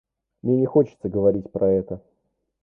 Мне не хочется говорить про это.